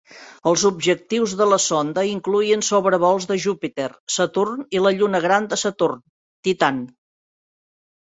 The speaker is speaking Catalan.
Els objectius de la sonda incloïen sobrevols de Júpiter, Saturn i la lluna gran de Saturn, Titan.